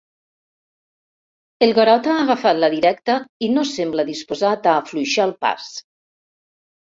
El Garota ha agafat la directa i no sembla disposat a afluixar el pas.